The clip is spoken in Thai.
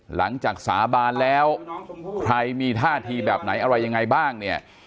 สาบานแล้วใครมีท่าทีแบบไหนอะไรยังไงบ้างเนี่ย